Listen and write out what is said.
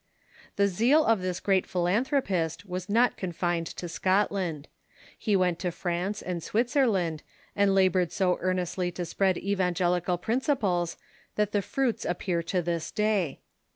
The zeal of this great philanthropist was not confined to Scotland. He went to France and Switzerland, and labored so earnestly to spread evangelical principles that the fruits appear to this day.